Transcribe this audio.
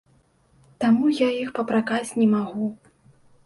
Таму я іх папракаць не магу.